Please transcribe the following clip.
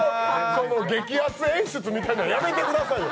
その激安演出みたいの、やめてくださいよ。